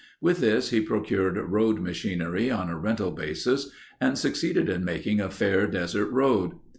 With this he procured road machinery on a rental basis and succeeded in making a fair desert road.